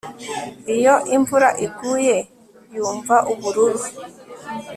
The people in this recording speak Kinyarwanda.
Iyo imvura iguye yumva ubururu